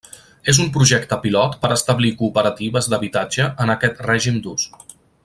És un projecte pilot per establir cooperatives d'habitatge en aquest règim d'ús.